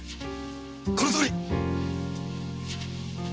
このとおり！